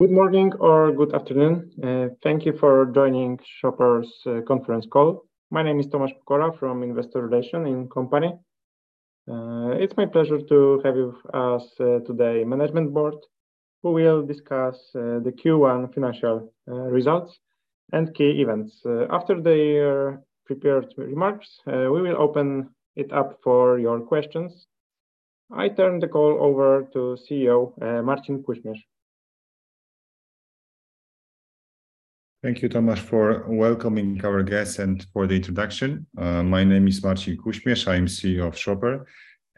Good morning or good afternoon. Thank you for joining Shoper's conference call. My name is Tomasz Pokora from Investor Relation in company. It's my pleasure to have with us today Management Board, who will discuss the Q1 financial results and key events. After their prepared remarks, we will open it up for your questions. I turn the call over to CEO Marcin Kuśmierz. Thank you, Tomasz, for welcoming our guests and for the introduction. My name is Marcin Kuśmierz. I'm CEO of Shoper.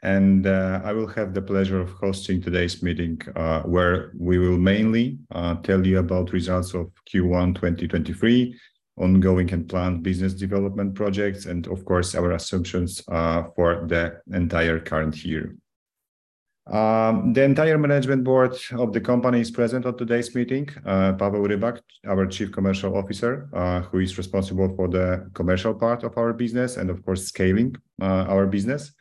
I will have the pleasure of hosting today's meeting, where we will mainly tell you about results of Q1 2023, ongoing and planned business development projects and of course, our assumptions for the entire current year. The entire Management Board of the company is present on today's meeting. Pawel Rybak, our Chief Commercial Officer, who is responsible for the commercial part of our business and of course, scaling our business.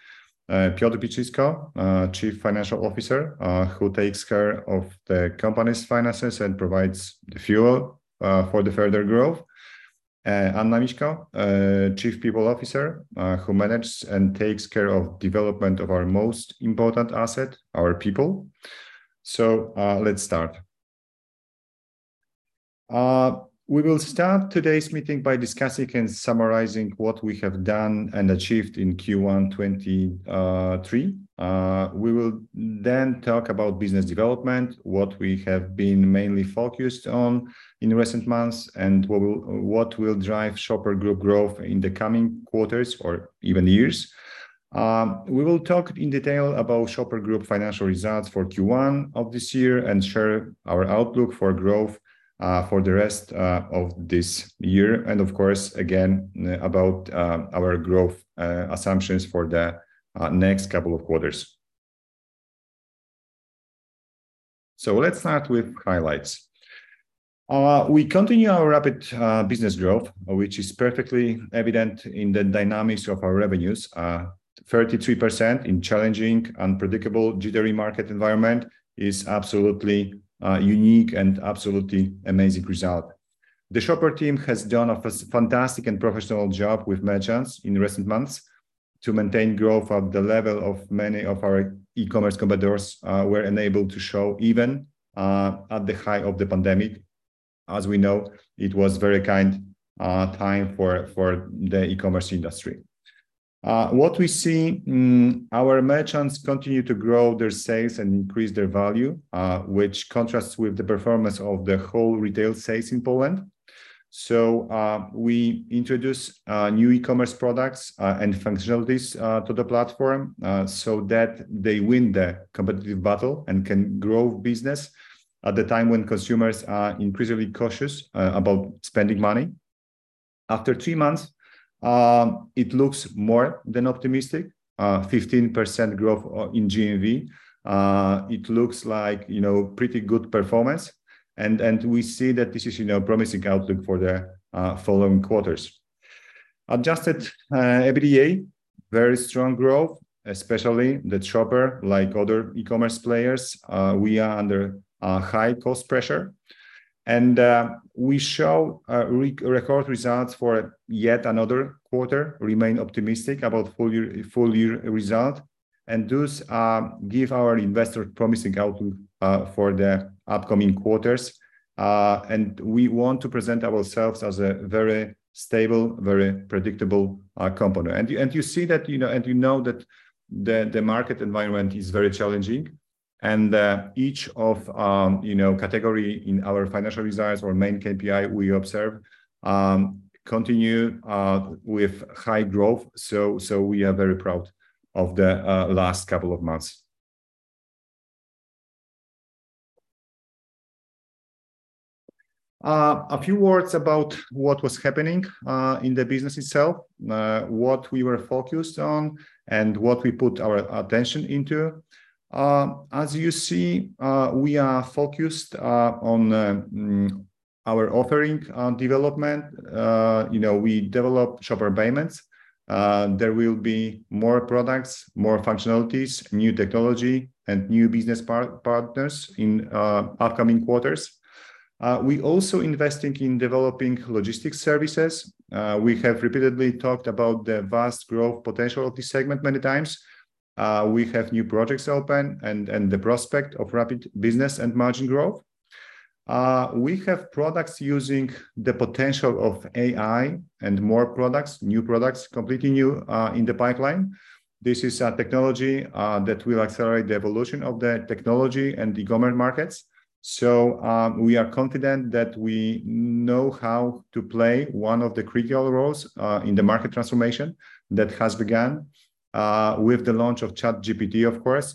Piotr Biczysko, Chief Financial Officer, who takes care of the company's finances and provides the fuel for the further growth. Anna Miśko, Chief People Officer, who manages and takes care of development of our most important asset, our people. Let's start. We will start today's meeting by discussing and summarizing what we have done and achieved in Q1 2023. We will then talk about business development, what we have been mainly focused on in recent months, and what will drive Shoper Group growth in the coming quarters or even years. We will talk in detail about Shoper Group financial results for Q1 of this year and share our outlook for growth for the rest of this year, and of course, again, about our growth assumptions for the next couple of quarters. Let's start with highlights. We continue our rapid business growth, which is perfectly evident in the dynamics of our revenues. 33% in challenging, unpredictable jittery market environment is absolutely unique and absolutely amazing result. The Shoper team has done a fantastic and professional job with merchants in recent months to maintain growth at the level of many of our e-commerce competitors, were enabled to show even at the height of the pandemic. As we know, it was very kind time for the e-commerce industry. What we see, our merchants continue to grow their sales and increase their value, which contrasts with the performance of the whole retail sales in Poland. We introduce new e-commerce products and functionalities to the platform so that they win the competitive battle and can grow business at the time when consumers are increasingly cautious about spending money. After 3 months, it looks more than optimistic. 15% growth in GMV. It looks like, you know, pretty good performance, and we see that this is, you know, promising outlook for the following quarters. Adjusted EBITDA, very strong growth, especially that Shoper, like other e-commerce players, we are under high cost pressure. We show record results for yet another quarter, remain optimistic about full year result, and thus give our investor promising outlook for the upcoming quarters. We want to present ourselves as a very stable, very predictable company. You see that, you know that the market environment is very challenging, and each of, you know, category in our financial results or main KPI we observe continue with high growth. We are very proud of the last couple of months. A few words about what was happening in the business itself, what we were focused on, and what we put our attention into. As you see, we are focused on our offering development. You know, we developed Shoper Payments. There will be more products, more functionalities, new technology and new business partners in upcoming quarters. We also investing in developing logistics services. We have repeatedly talked about the vast growth potential of this segment many times. We have new projects open and the prospect of rapid business and margin growth. We have products using the potential of AI and more products, new products, completely new in the pipeline. This is a technology that will accelerate the evolution of the technology and e-commerce markets. We are confident that we know how to play one of the critical roles in the market transformation that has begun with the launch of ChatGPT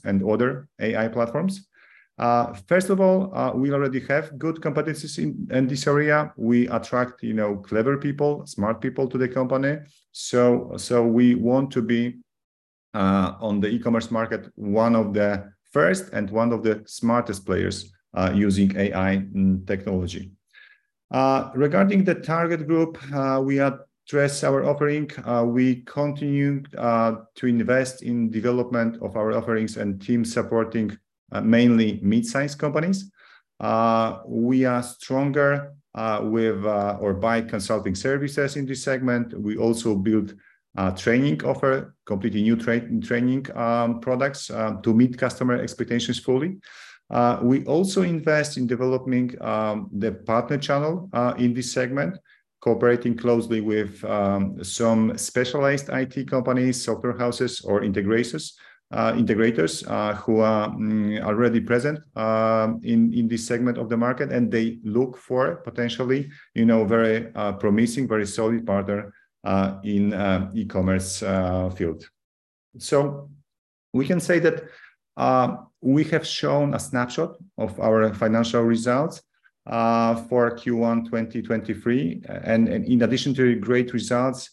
and other AI platforms. First of all, we already have good competencies in this area. We attract, you know, clever people, smart people to the company. We want to be on the e-commerce market, one of the first and one of the smartest players using AI technology. Regarding the target group, we address our offering, we continue to invest in development of our offerings and teams supporting mainly mid-size companies. We are stronger with or by consulting services in this segment. We also build a training offer, completely new training products to meet customer expectations fully. We also invest in developing the partner channel in this segment, cooperating closely with some specialized IT companies, software houses or integrators who are already present in this segment of the market and they look for potentially, you know, very promising, very solid partner in e-commerce field. We can say that we have shown a snapshot of our financial results for Q1 2023. In addition to the great results,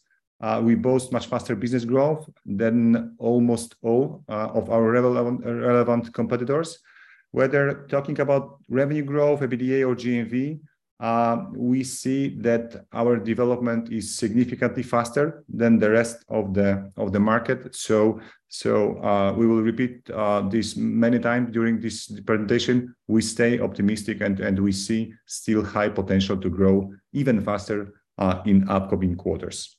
we boast much faster business growth than almost all of our relevant competitors. Whether talking about revenue growth, EBITDA or GMV, we see that our development is significantly faster than the rest of the market. We will repeat this many times during this presentation. We stay optimistic and we see still high potential to grow even faster in upcoming quarters.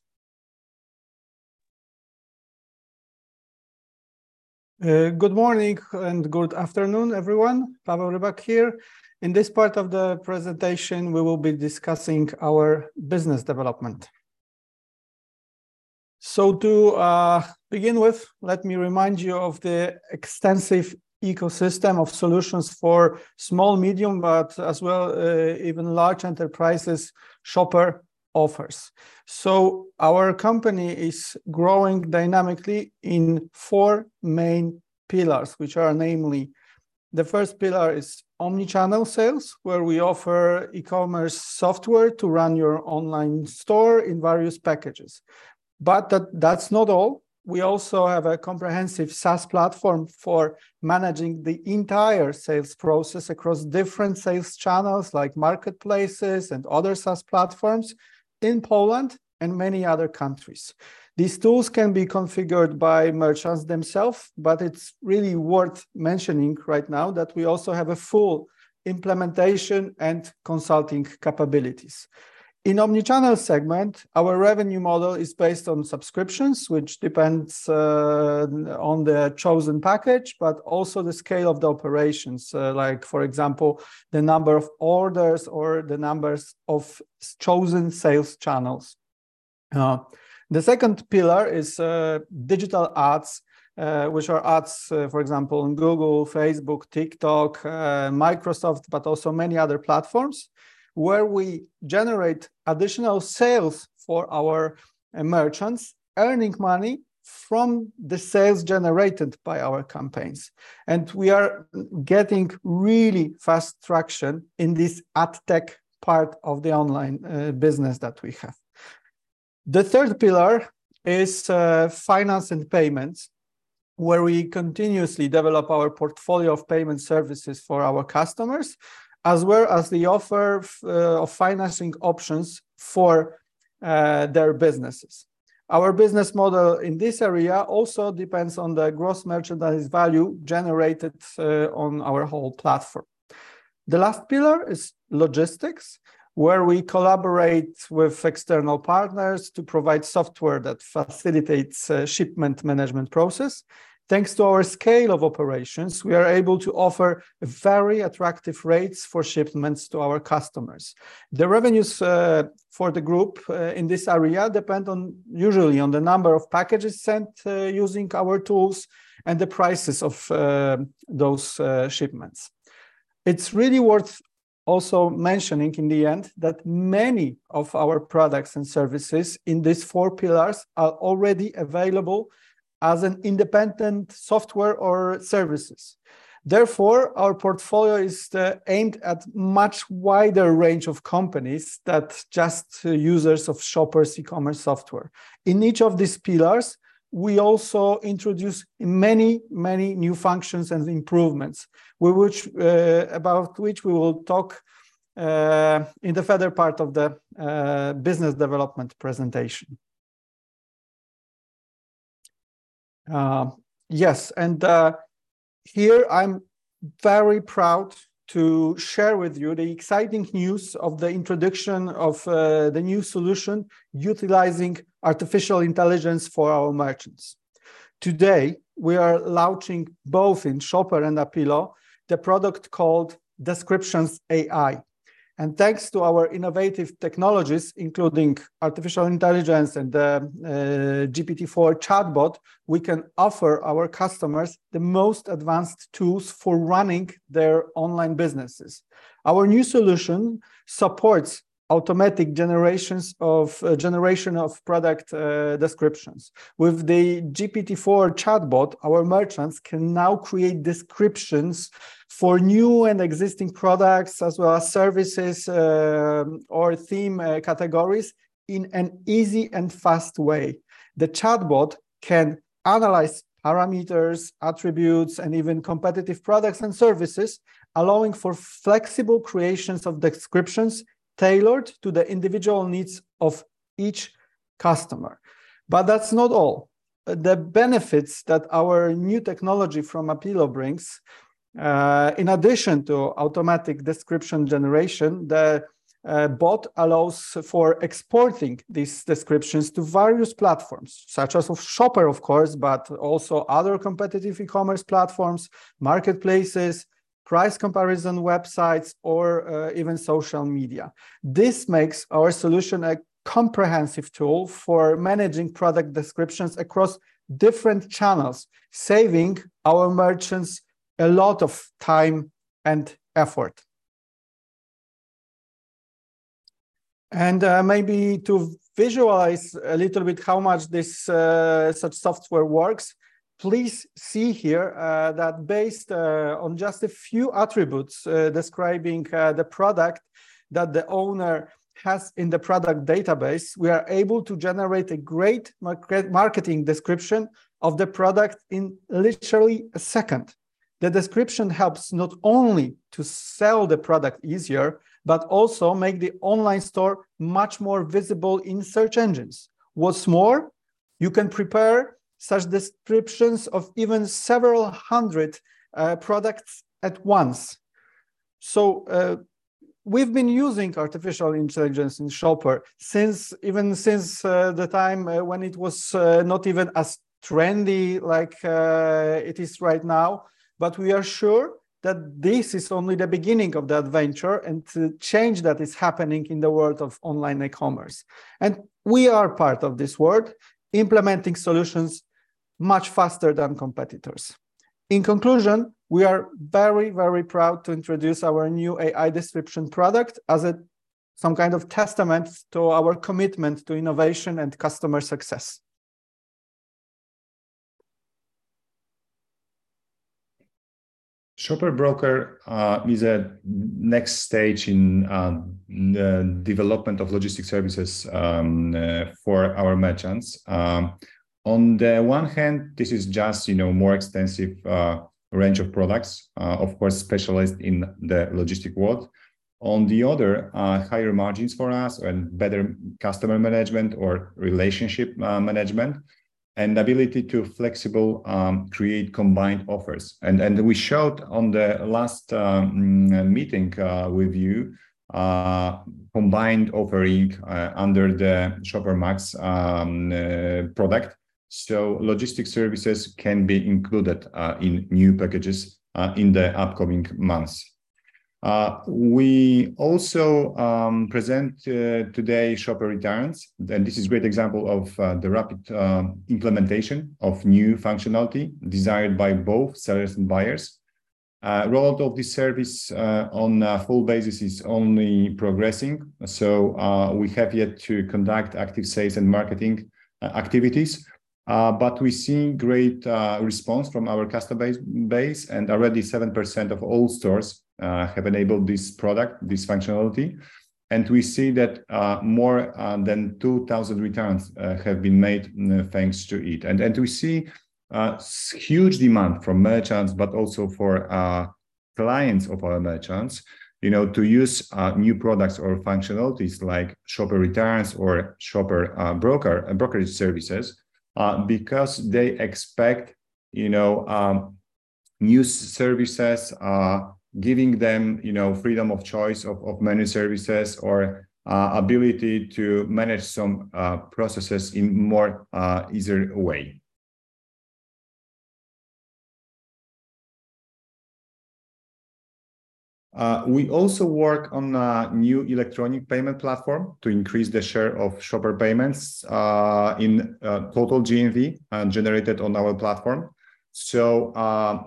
Good morning and good afternoon, everyone. Pawel Rybak here. In this part of the presentation, we will be discussing our business development. To begin with, let me remind you of the extensive ecosystem of solutions for small, medium, but as well, even large enterprises Shoper offers. Our company is growing dynamically in four main pillars, which are namely, the first pillar is omni-channel sales, where we offer e-commerce software to run your online store in various packages. That's not all. We also have a comprehensive SaaS platform for managing the entire sales process across different sales channels like marketplaces and other SaaS platforms in Poland and many other countries. These tools can be configured by merchants themselves, but it's really worth mentioning right now that we also have a full implementation and consulting capabilities. In omni-channel segment, our revenue model is based on subscriptions, which depends on the chosen package, but also the scale of the operations, like for example, the number of orders or the numbers of chosen sales channels. The second pillar is digital ads, which are ads, for example, on Google, Facebook, TikTok, Microsoft, but also many other platforms, where we generate additional sales for our merchants, earning money from the sales generated by our campaigns. We are getting really fast traction in this ad tech part of the online business that we have. The third pillar is finance and payments, where we continuously develop our portfolio of payment services for our customers, as well as the offer of financing options for their businesses. Our business model in this area also depends on the gross merchandise value generated on our whole platform. The last pillar is logistics, where we collaborate with external partners to provide software that facilitates shipment management process. Thanks to our scale of operations, we are able to offer very attractive rates for shipments to our customers. The revenues for the group in this area depend on, usually, on the number of packages sent using our tools and the prices of those shipments. It's really worth also mentioning in the end that many of our products and services in these four pillars are already available as an independent software or services. Therefore, our portfolio is aimed at much wider range of companies that just users of Shoper's e-commerce software. In each of these pillars, we also introduce many new functions and improvements, which, about which we will talk in the further part of the business development presentation. Yes, here I'm very proud to share with you the exciting news of the introduction of the new solution utilizing Artificial Intelligence for our merchants. Today, we are launching both in Shoper and Apilo, the product called Descriptions AI. Thanks to our innovative technologies, including Artificial Intelligence and GPT-4 chatbot, we can offer our customers the most advanced tools for running their online businesses. Our new solution supports automatic generation of product descriptions. With the GPT-4 chatbot, our merchants can now create descriptions for new and existing products as well as services, or theme categories in an easy and fast way. The chatbot can analyze parameters, attributes, and even competitive products and services, allowing for flexible creations of descriptions tailored to the individual needs of each customer. That's not all. The benefits that our new technology from Apilo brings, in addition to automatic description generation, the bot allows for exporting these descriptions to various platforms, such as Shoper, of course, but also other competitive e-commerce platforms, marketplaces, price comparison websites, or even social media. This makes our solution a comprehensive tool for managing product descriptions across different channels, saving our merchants a lot of time and effort. Maybe to visualize a little bit how much this such software works, please see here that based on just a few attributes describing the product that the owner has in the product database, we are able to generate a great marketing description of the product in literally a second. The description helps not only to sell the product easier, but also make the online store much more visible in search engines. What's more, you can prepare such descriptions of even several hundred products at once. We've been using Artificial Intelligence in Shoper since, even since the time when it was not even as trendy like it is right now. We are sure that this is only the beginning of the adventure and the change that is happening in the world of online e-commerce, and we are part of this world, implementing solutions much faster than competitors. In conclusion, we are very, very proud to introduce our new Descriptions AI as some kind of testament to our commitment to innovation and customer success. Shoper Broker is a next stage in the development of logistic services for our merchants. On the one hand, this is just, you know, more extensive range of products, of course, specialized in the logistic world. On the other, higher margins for us and better customer management or relationship management, and ability to flexible create combined offers. We showed on the last meeting with you, combined offering under the Shoper Max product. Logistic services can be included in new packages in the upcoming months. We also present today Shoper Returns, and this is great example of the rapid implementation of new functionality desired by both sellers and buyers. Role of the service on a full basis is only progressing, we have yet to conduct active sales and marketing activities. We're seeing great response from our customer base, already 7% of all stores have enabled this product, this functionality. We see that more than 2,000 returns have been made thanks to it. We see huge demand from merchants, also for clients of our merchants, you know, to use new products or functionalities like Shoper Returns or Shoper Brokerage services, because they expect, you know, new services, giving them, you know, freedom of choice of many services or ability to manage some processes in more easier way. We also work on a new electronic payment platform to increase the share of Shoper Payments in total GMV generated on our platform.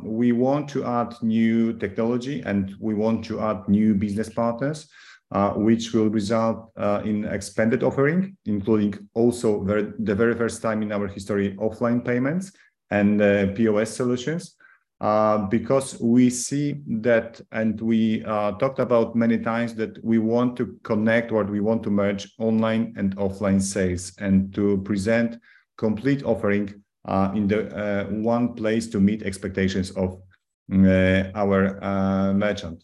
We want to add new technology, and we want to add new business partners, which will result in expanded offering, including also the very first time in our history, offline payments and POS solutions. Because we see that, and we talked about many times, that we want to connect or we want to merge online and offline sales and to present complete offering in the one place to meet expectations of our merchant.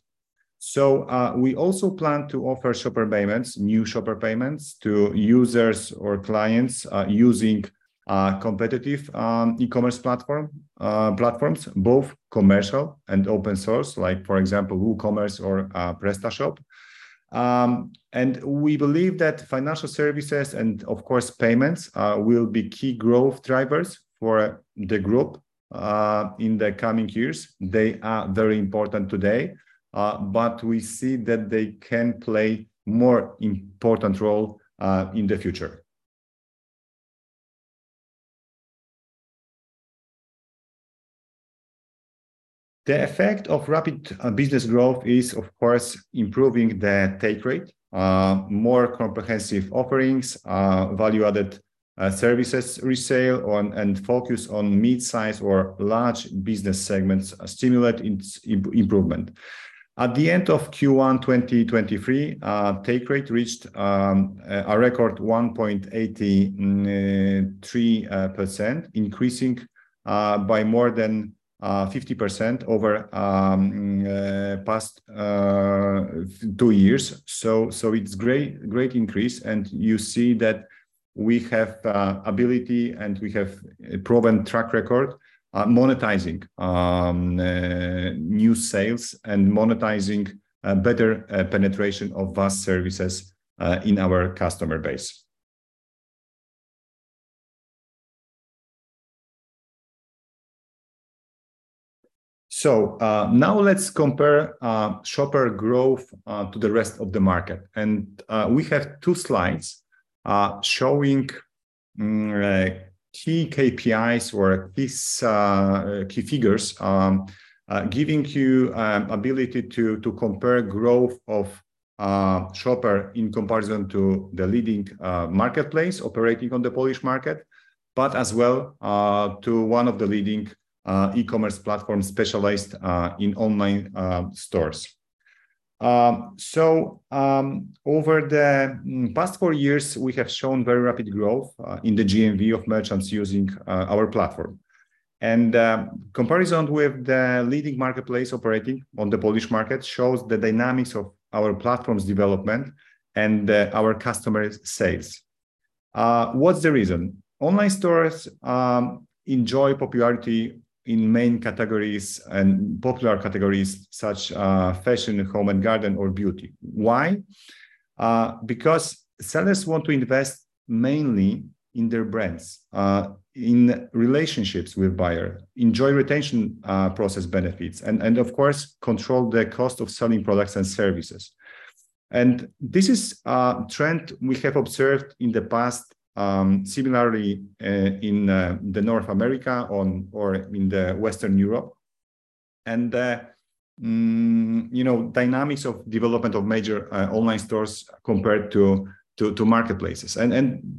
We also plan to offer Shoper Payments, new Shoper Payments to users or clients using competitive e-commerce platform platforms, both commercial and open source, like for example, WooCommerce or PrestaShop. We believe that financial services and of course payments will be key growth drivers for the group in the coming years. They are very important today, but we see that they can play more important role in the future. The effect of rapid business growth is, of course, improving the take rate, more comprehensive offerings, value added services resale on, and focus on midsize or large business segments stimulate improvement. At the end of Q1 2023, take rate reached a record 1.83%, increasing by more than 50% over past two years. So it's great increase, and you see that we have ability and we have a proven track record monetizing new sales and monetizing better penetration of vast services in our customer base. So, now let's compare Shoper growth to the rest of the markets, and we have two slides showing key KPIs or these key figures giving you ability to compare growth of Shoper in comparison to the leading marketplace operating on the Polish market, but as well to one of the leading e-commerce platforms specialized in online stores. Over the past four years, we have shown very rapid growth in the GMV of merchants using our platform. Comparison with the leading marketplace operating on the Polish market shows the dynamics of our platform's development and our customers' sales. What's the reason? Online stores enjoy popularity in main categories and popular categories such fashion, home and garden, or beauty. Why? Because sellers want to invest mainly in their brands, in relationships with buyer, enjoy retention, process benefits and of course, control the cost of selling products and services. This is a trend we have observed in the past, similarly, in the North America or in the Western Europe. You know, dynamics of development of major online stores compared to marketplaces.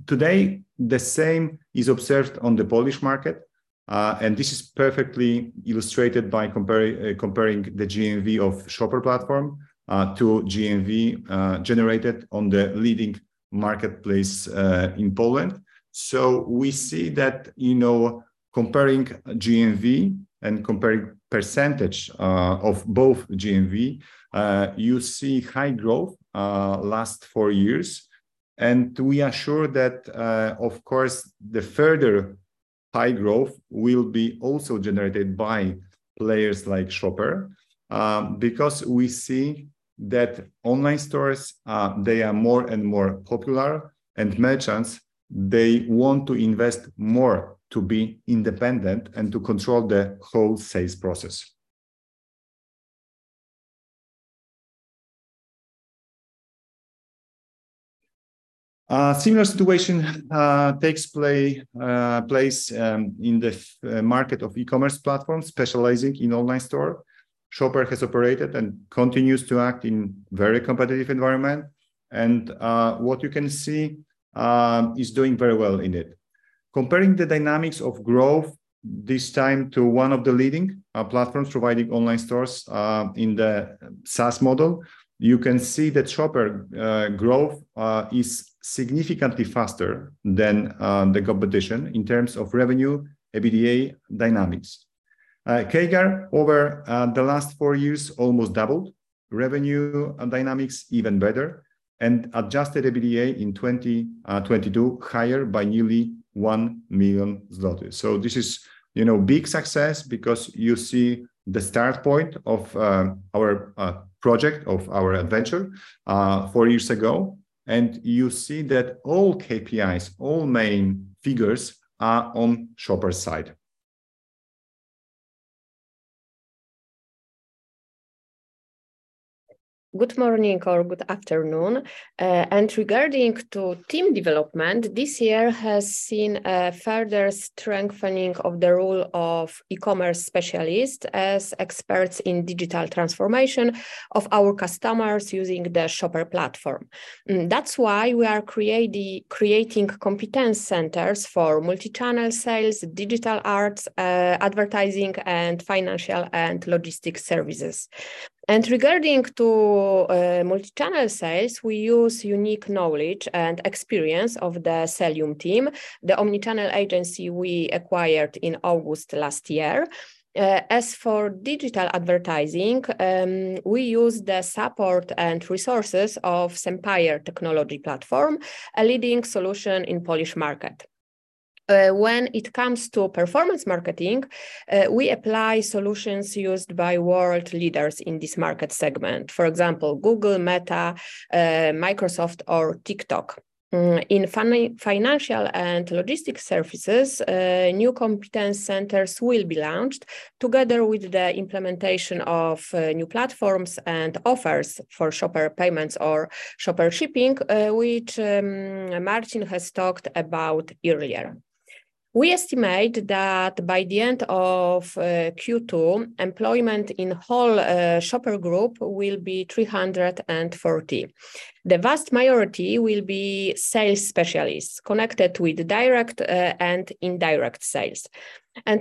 Today, the same is observed on the Polish market, and this is perfectly illustrated by comparing the GMV of Shoper platform to GMV generated on the leading marketplace in Poland. We see that, you know, comparing GMV and comparing % of both GMV, you see high growth last four years. We are sure that, of course, the further high growth will be also generated by players like Shoper, because we see that online stores, they are more and more popular and merchants, they want to invest more to be independent and to control the whole sales process. Similar situation takes place in the market of e-commerce platforms specializing in online store. Shoper has operated and continues to act in very competitive environment, and what you can see is doing very well in it. Comparing the dynamics of growth this time to one of the leading platforms providing online stores in the SaaS model, you can see that Shoper growth is significantly faster than the competition in terms of revenue, EBITDA dynamics. CAGR over the last four years almost doubled. Revenue dynamics even better, and adjusted EBITDA in 2022 higher by nearly 1 million zloty. This is, you know, big success because you see the start point of our project, of our adventure four years ago, and you see that all KPIs, all main figures are on Shoper's side. Good morning or good afternoon. Regarding to team development, this year has seen a further strengthening of the role of e-commerce specialists as experts in digital transformation of our customers using the Shoper platform. That's why we are creating competence centers for multi-channel sales, digital ads, advertising, and financial and logistic services. Regarding to multi-channel sales, we use unique knowledge and experience of the Selium team, the omni-channel agency we acquired in August last year. As for digital advertising, we use the support and resources of SEMPIRE technology platform, a leading solution in Polish market. When it comes to performance marketing, we apply solutions used by world leaders in this market segment, for example, Google, Meta, Microsoft or TikTok. In financial and logistic services, new competence centers will be launched together with the implementation of new platforms and offers for Shoper Payments or Shoper shipping, which Marcin has talked about earlier. We estimate that by the end of Q2, employment in whole Shoper Group will be 340. The vast majority will be sales specialists connected with direct and indirect sales.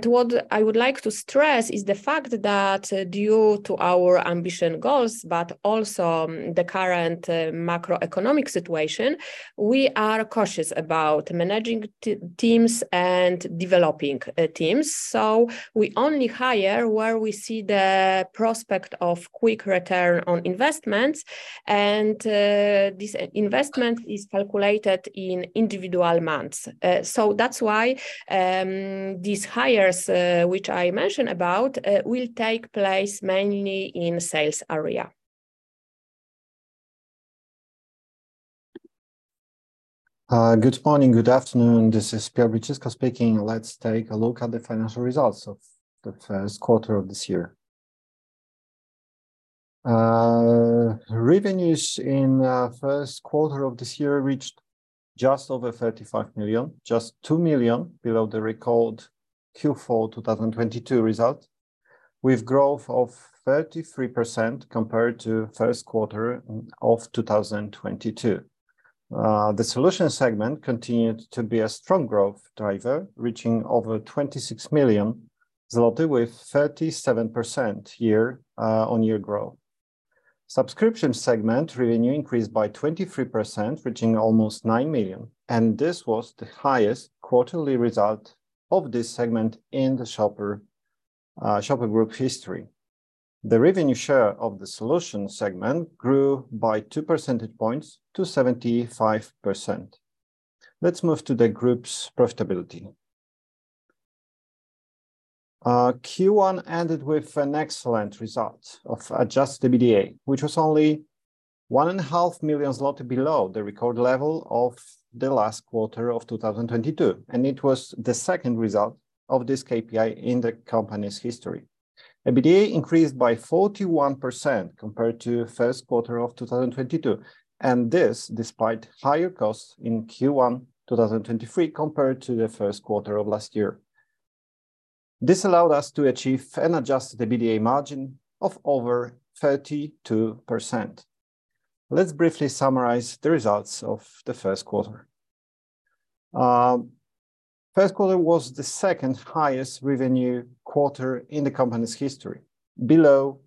What I would like to stress is the fact that due to our ambition goals, but also the current macroeconomic situation, we are cautious about managing teams and developing teams. We only hire where we see the prospect of quick return on investments and this investment is calculated in individual months. That's why these hires, which I mentioned about, will take place mainly in sales area. Good morning, good afternoon. This is Piotr Biczysko speaking. Let's take a look at the financial results of the first quarter of this year. Revenues in first quarter of this year reached just over 35 million, just 2 million below the record Q4 2022 result, with growth of 33% compared to first quarter of 2022. The solutions segment continued to be a strong growth driver, reaching over 26 million zloty with 37% year-on-year growth. Subscription segment revenue increased by 23%, reaching almost 9 million, and this was the highest quarterly result of this segment in the Shoper Group history. The revenue share of the solution segment grew by 2 percentage points to 75%. Let's move to the group's profitability. Q1 ended with an excellent result of adjusted EBITDA, which was only 1.5 million zloty below the record level of Q4 2022, and it was the second result of this KPI in the company's history. EBITDA increased by 41% compared to first quarter of 2022. This despite higher costs in Q1 2023 compared to the first quarter of last year. This allowed us to achieve an adjusted EBITDA margin of over 32%. Let's briefly summarize the results of the first quarter. First quarter was the second-highest revenue quarter in the company's history, below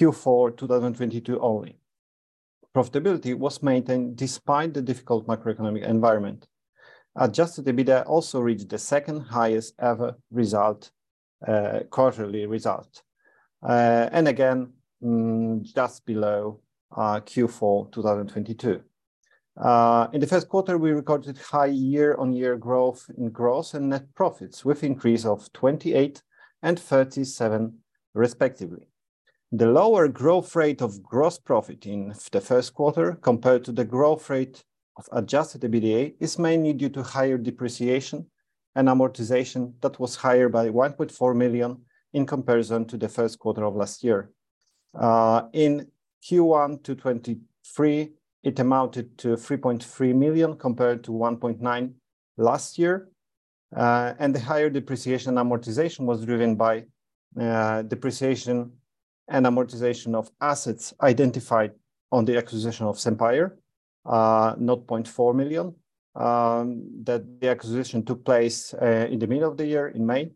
Q4 2022 only. Profitability was maintained despite the difficult macroeconomic environment. Adjusted EBITDA also reached the second-highest ever result, quarterly result, and again, just below Q4 2022. In the first quarter, we recorded high year-on-year growth in gross and net profits, with increase of 28% and 37% respectively. The lower growth rate of gross profit in the first quarter compared to the growth rate of adjusted EBITDA is mainly due to higher depreciation and amortization that was higher by 1.4 million in comparison to the first quarter of last year. In Q1 2023, it amounted to 3.3 million compared to 1.9 million last year. The higher depreciation amortization was driven by depreciation and amortization of assets identified on the acquisition of SEMPIRE, 0.4 million, that the acquisition took place in the middle of the year in May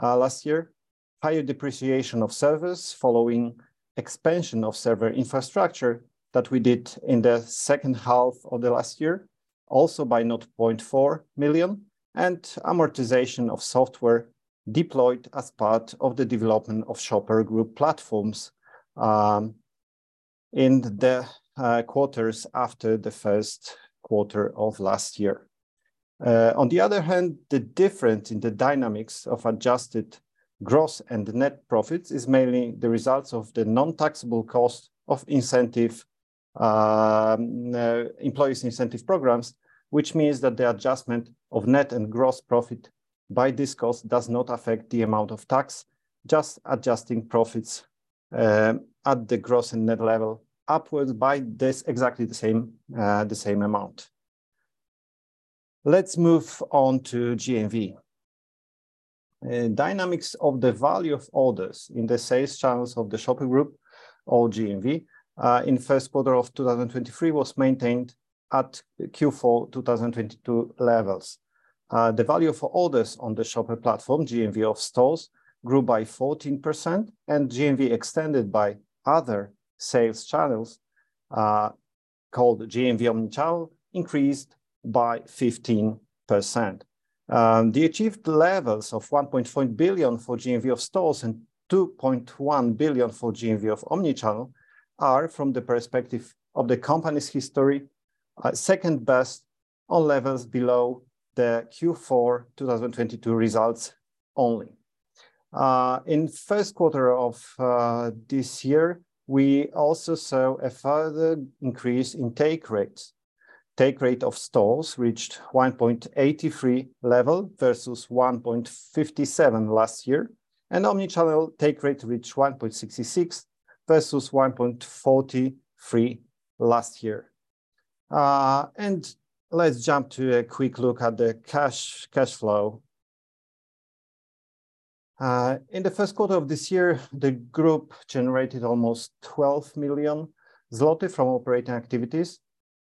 last year. Higher depreciation of servers following expansion of server infrastructure that we did in the second half of the last year, also by 0.4 million. Amortization of software deployed as part of the development of Shoper Group platforms in the quarters after the first quarter of last year. On the other hand, the difference in the dynamics of adjusted gross and net profits is mainly the results of the non-taxable cost of incentive employees incentive programs, which means that the adjustment of net and gross profit by this cost does not affect the amount of tax, just adjusting profits at the gross and net level upwards by this exactly the same amount. Let's move on to GMV. Dynamics of the value of orders in the sales channels of the Shoper Group or GMV in first quarter 2023 was maintained at Q4 2022 levels. The value for orders on the Shoper platform, GMV of stores, grew by 14%, and GMV extended by other sales channels, called GMV Omnichannel, increased by 15%. The achieved levels of 1.5 billion for GMV of stores and 2.1 billion for GMV of Omnichannel are, from the perspective of the company's history, second best on levels below the Q4 2022 results only. In first quarter of this year, we also saw a further increase in take rates. Take rate of stores reached 1.83 level versus 1.57 last year, omnichannel take rate reached 1.66 versus 1.43 last year. Let's jump to a quick look at the cash flow. In the first quarter of this year, the group generated almost 12 million zloty from operating activities.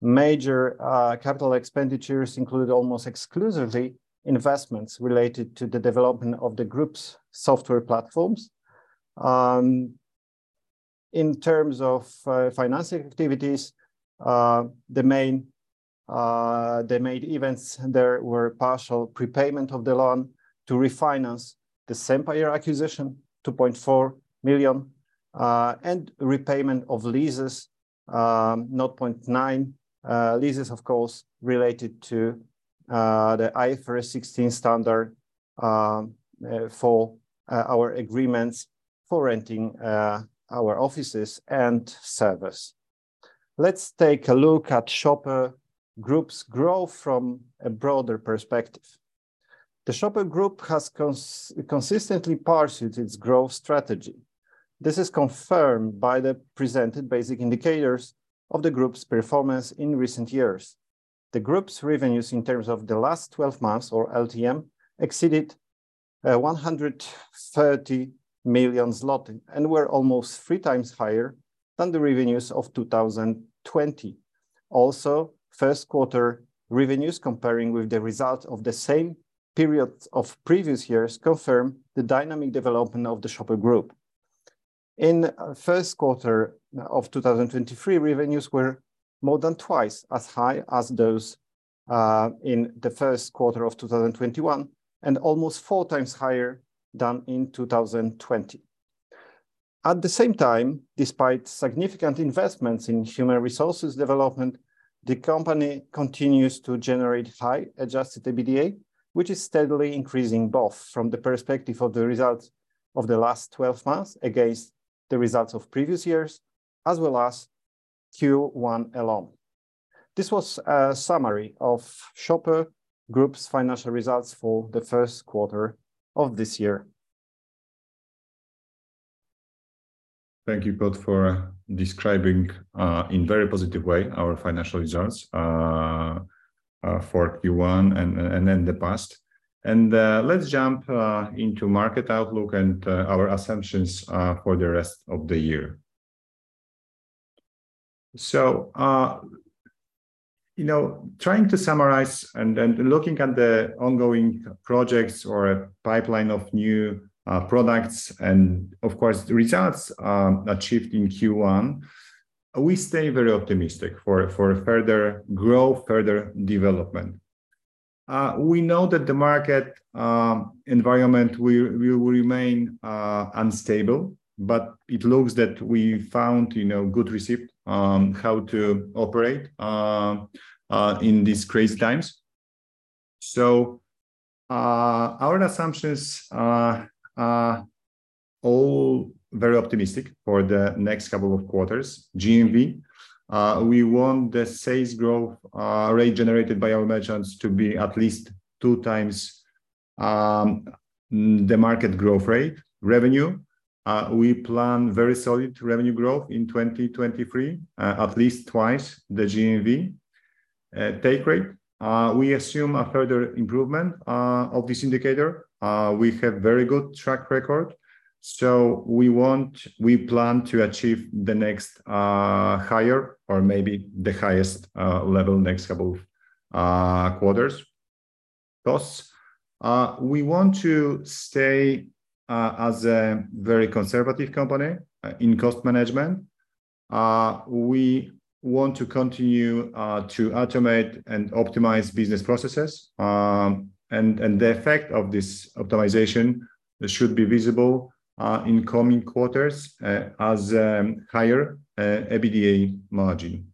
Major capital expenditures include almost exclusively investments related to the development of the group's software platforms. In terms of financing activities, the main events there were partial prepayment of the loan to refinance the SEMPIRE acquisition, 2.4 million, and repayment of leases, 0.9. Leases of course related to the IFRS 16 standard for our agreements for renting our offices and servers. Let's take a look at Shoper Group's growth from a broader perspective. The Shoper Group has consistently pursued its growth strategy. This is confirmed by the presented basic indicators of the group's performance in recent years. The group's revenues in terms of the last 12 months or LTM exceeded 130 million zlotys and were almost three times higher than the revenues of 2020. First quarter revenues comparing with the results of the same period of previous years confirm the dynamic development of the Shoper Group. In the first quarter of 2023, revenues were more than twice as high as those in the first quarter of 2021, and almost four times higher than in 2020. At the same time, despite significant investments in human resources development, the company continues to generate high adjusted EBITDA, which is steadily increasing both from the perspective of the results of the last twelve months against the results of previous years, as well as Q1 alone. This was a summary of Shoper Group's financial results for the first quarter of this year. Thank you both for describing in very positive way our financial results for Q1 and the past. Let's jump into market outlook and our assumptions for the rest of the year. You know, trying to summarize and looking at the ongoing projects or a pipeline of new products and of course the results achieved in Q1, we stay very optimistic for further growth, further development. We know that the market environment will remain unstable, but it looks that we found, you know, good recipe on how to operate in these crazy times. Our assumptions are all very optimistic for the next couple of quarters. GMV, we want the sales growth rate generated by our merchants to be at least two times the market growth rate. Revenue, we plan very solid revenue growth in 2023, at least twice the GMV. Take rate, we assume a further improvement of this indicator. We have very good track record, so we plan to achieve the next higher or maybe the highest level next couple of quarters. Costs, we want to stay as a very conservative company in cost management. We want to continue to automate and optimize business processes. The effect of this optimization should be visible in coming quarters as higher EBITDA margin.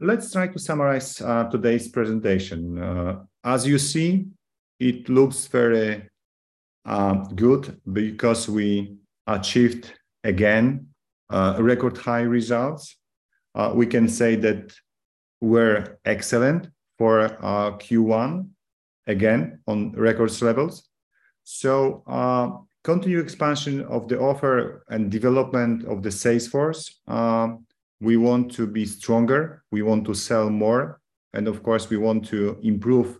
Let's try to summarize today's presentation. As you see, it looks very good because we achieved again record high results. We can say that we're excellent for Q1, again, on records levels. Continued expansion of the offer and development of the sales force. We want to be stronger, we want to sell more, and of course, we want to improve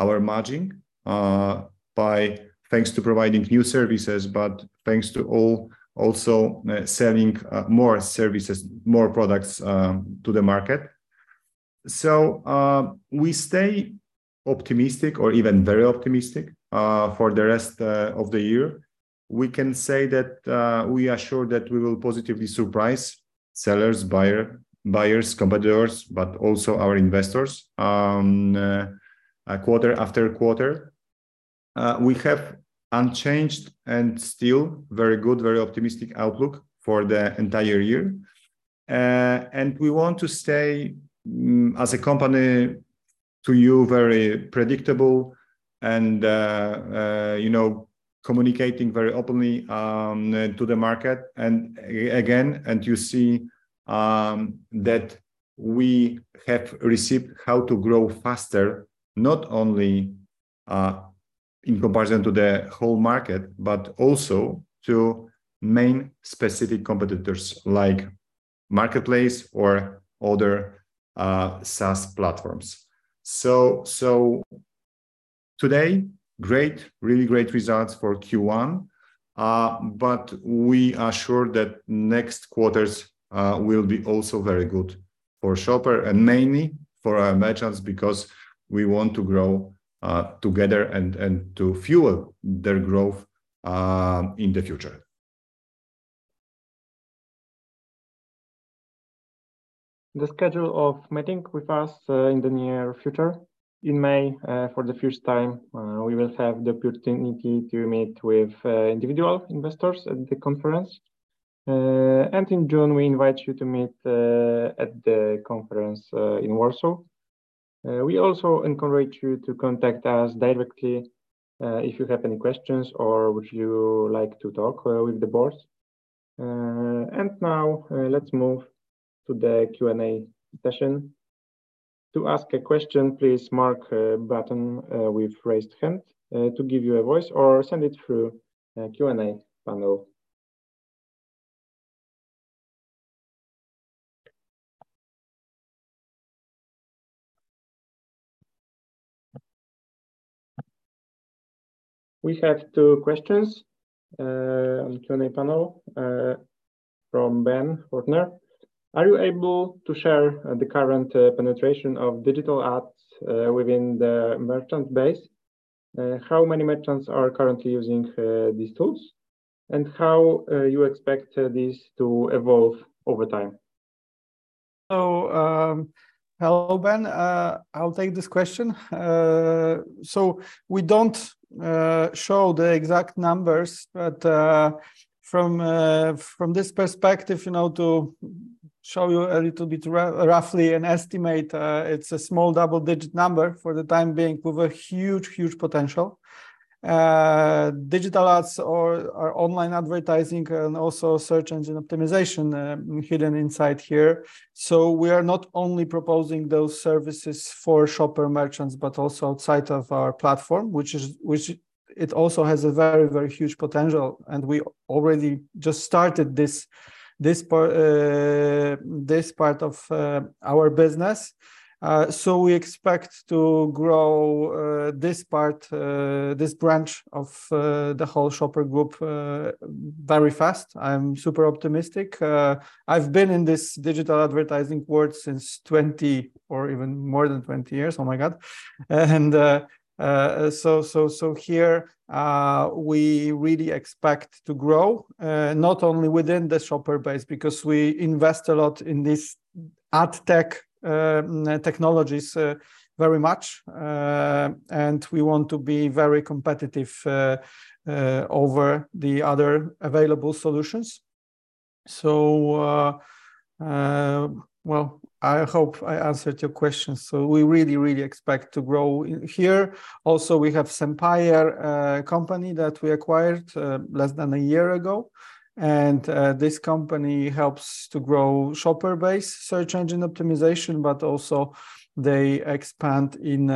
our margin, by thanks to providing new services, but thanks to all also selling more services, more products to the market. We stay optimistic or even very optimistic for the rest of the year. We can say that we are sure that we will positively surprise sellers, buyers, competitors, but also our investors on quarter-after-quarter. We have unchanged and still very good, very optimistic outlook for the entire year. We want to stay, as a company to you, very predictable and, you know, communicating very openly, to the market. Again, you see, that. We have received how to grow faster, not only in comparison to the whole market, but also to main specific competitors like Marketplace or other SaaS platforms. Today, great, really great results for Q1, but we are sure that next quarters will be also very good for Shoper and mainly for our merchants, because we want to grow together and to fuel their growth in the future. The schedule of meeting with us in the near future, in May, for the first time, we will have the opportunity to meet with individual investors at the conference. In June, we invite you to meet at the conference in Warsaw. We also encourage you to contact us directly if you have any questions or would you like to talk with the board. Now, let's move to the Q&A session. To ask a question, please mark button with raised hand to give you a voice or send it through Q&A panel. We have two questions on the Q&A panel from Ben Ortner. Are you able to share the current penetration of digital ads within the merchant base? How many merchants are currently using these tools, and how you expect this to evolve over time? Hello Ben, I'll take this question. We don't show the exact numbers, but from this perspective, you know, to show you a little bit roughly an estimate, it's a small double-digit number for the time being with a huge, huge potential. Digital ads or online advertising and also search engine optimization hidden inside here. We are not only proposing those services for Shoper merchants, but also outside of our platform, which it also has a very, very huge potential, and we already just started this part of our business. We expect to grow this part, this branch of the whole Shoper Group very fast. I'm super optimistic. I've been in this digital advertising world since 20 or even more than 20 years. Oh my God. So here, we really expect to grow not only within the Shoper base, because we invest a lot in this ad tech technologies very much. We want to be very competitive over the other available solutions. Well, I hope I answered your question. We really expect to grow here. Also, we have SEMPIRE, company that we acquired less than a year ago. This company helps to grow Shoper base search engine optimization, but also they expand in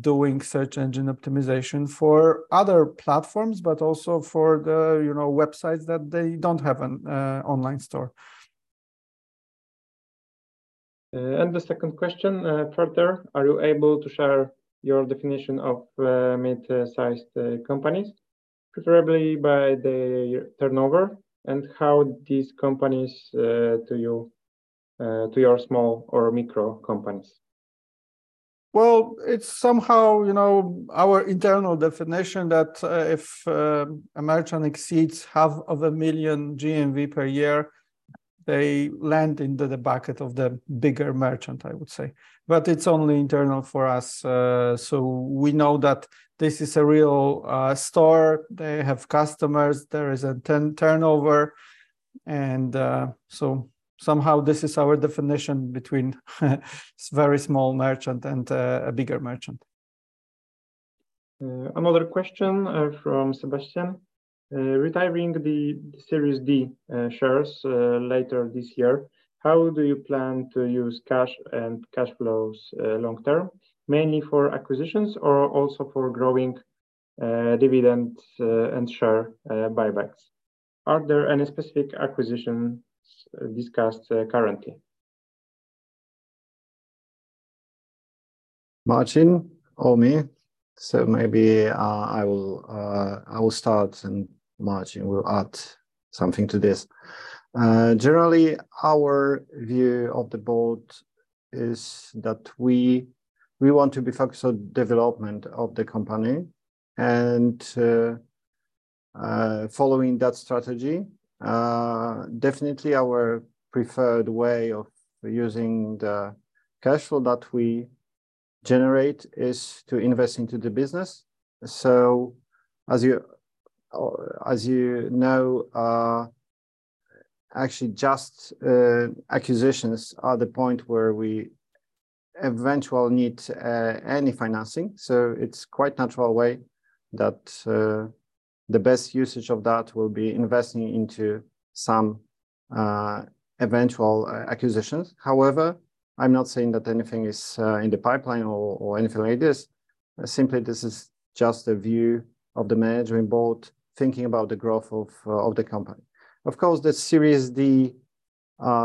doing search engine optimization for other platforms, but also for the, you know, websites that they don't have an online store. The second question, further, are you able to share your definition of mid-sized companies, preferably by the turnover, and how these companies to your small or micro companies? Well, it's somehow, you know, our internal definition that if a merchant exceeds half of a million GMV per year, they land into the bucket of the bigger merchant, I would say. It's only internal for us. We know that this is a real store. They have customers. There is a turnover and somehow this is our definition between very small merchant and a bigger merchant. Another question from Sebastian. Retiring the Series D shares later this year, how do you plan to use cash and cash flows long term? Mainly for acquisitions or also for growing dividend and share buybacks? Are there any specific acquisitions discussed currently? Marcin or me? Maybe I will start and Marcin will add something to this. Generally, our view of the board is that we want to be focused on development of the company and following that strategy. Definitely our preferred way of using the cash flow that we generate is to invest into the business. As you know, actually just acquisitions are the point where we Eventual need, any financing. It's quite natural way that the best usage of that will be investing into some eventual acquisitions. However, I'm not saying that anything is in the pipeline or anything like this. Simply this is just a view of the managing board thinking about the growth of the company. Of course, the Series D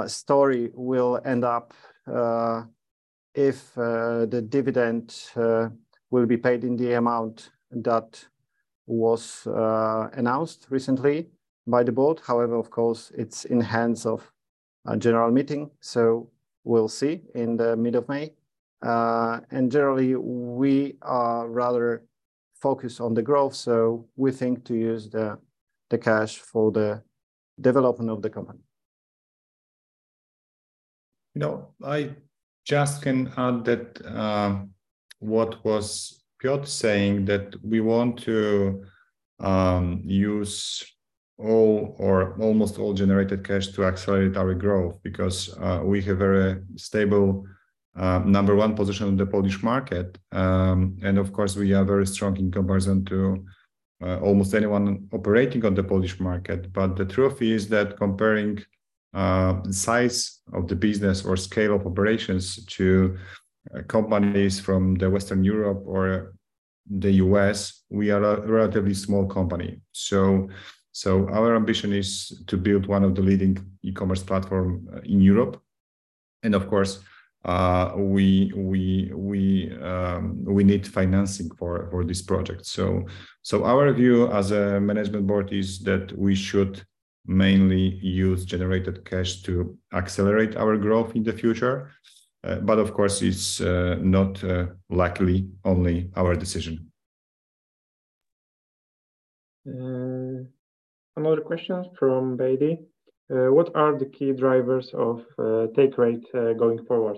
story will end up if the dividend will be paid in the amount that was announced recently by the board. However, of course, it's in hands of a general meeting, so we'll see in the middle of May. Generally, we are rather focused on the growth, so we think to use the cash for the development of the company. I just can add that what was Piotr saying, that we want to use all or almost all generated cash to accelerate our growth because we have very stable number 1 position in the Polish market. Of course, we are very strong in comparison to almost anyone operating on the Polish market. The truth is that comparing the size of the business or scale of operations to companies from the Western Europe or the U.S., we are a relatively small company. So our ambition is to build one of the leading e-commerce platform in Europe. Of course, we need financing for this project. So our view as a management board is that we should mainly use generated cash to accelerate our growth in the future. Of course, it's not luckily only our decision. Another question from Bailey. What are the key drivers of take rate going forward?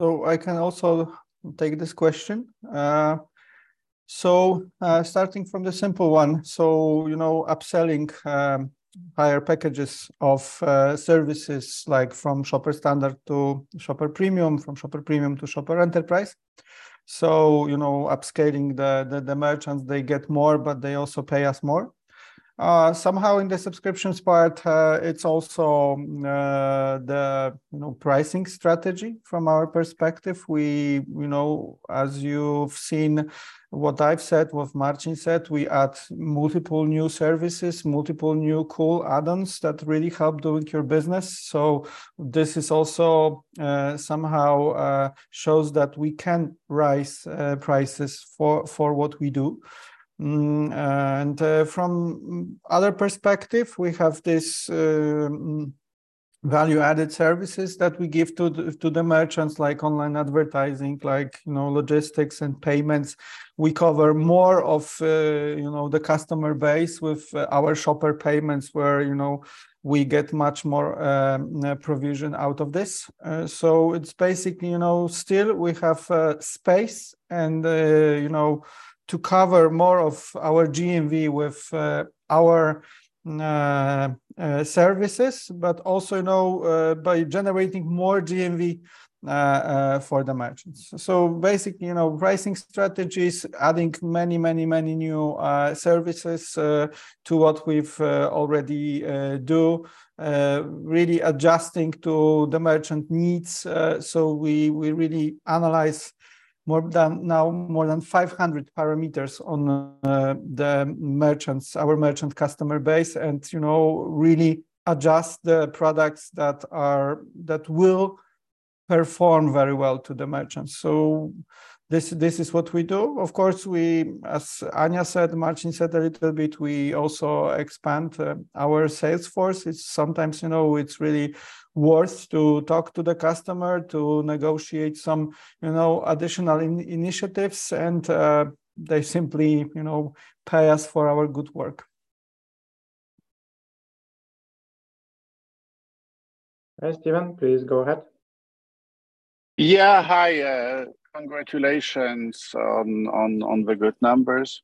I can also take this question. Starting from the simple one, you know, upselling, higher packages of services like from Shoper Standard to Shoper Premium, from Shoper Premium to Shoper Enterprise. You know, upscaling the merchants, they get more, but they also pay us more. Somehow in the subscriptions part, it's also the, you know, pricing strategy from our perspective. We, you know, as you've seen what I've said, what Marcin said, we add multiple new services, multiple new cool add-ons that really help doing your business. This is also somehow shows that we can rise prices for what we do. From other perspective, we have this value-added services that we give to the merchants like online advertising, like, you know, logistics and payments. We cover more of, you know, the customer base with our Shoper Payments where, you know, we get much more provision out of this. It's basically, you know, still we have space and, you know, to cover more of our GMV with our services, but also now by generating more GMV for the merchants. Basically, you know, pricing strategies, adding many new services to what we've already do, really adjusting to the merchant needs. We really analyze more than now, more than 500 parameters on the merchants, our merchant customer base, and, you know, really adjust the products that will perform very well to the merchants. This is what we do. Of course, we, as Ania said, Marcin said a little bit, we also expand our sales force. It's sometimes, you know, it's really worth to talk to the customer to negotiate some, you know, additional initiatives and they simply, you know, pay us for our good work. Hi, Steven. Please go ahead. Yeah, hi. Congratulations on the good numbers.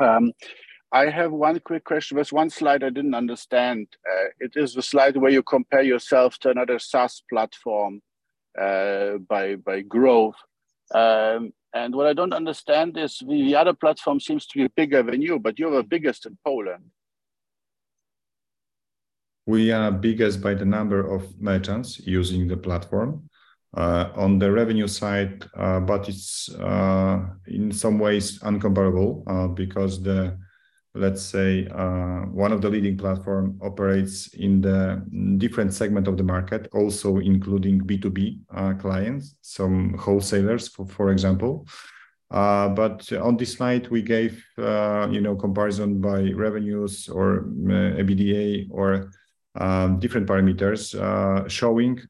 I have one quick question. There is one slide I did not understand. It is the slide where you compare yourself to another SaaS platform by growth. What I do not understand is the other platform seems to be bigger than you, but you are the biggest in Poland. We are biggest by the number of merchants using the platform, on the revenue side, but it's in some ways incomparable, because the, let's say, one of the leading platform operates in the different segment of the market, also including B2B clients, some wholesalers, for example. But on this slide, we gave, you know, comparison by revenues or EBITDA or different parameters, showing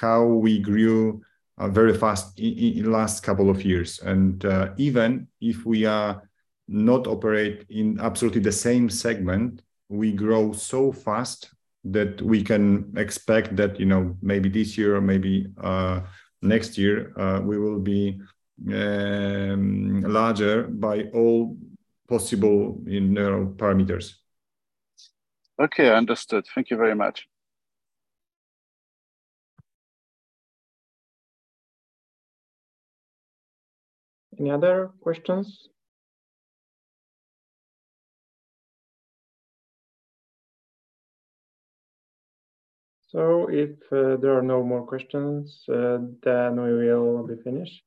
how we grew very fast in the last couple of years. Even if we are not operate in absolutely the same segment, we grow so fast that we can expect that, you know, maybe this year or maybe next year, we will be larger by all possible, you know, parameters. Okay, understood. Thank you very much. Any other questions? If there are no more questions, then we will be finished.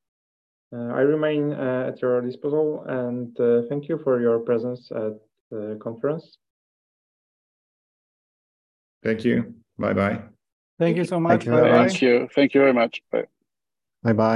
I remain at your disposal, and thank you for your presence at the conference. Thank you. Bye-bye. Thank you so much. Bye-bye. Thank you. Thank you very much. Bye. Bye-bye.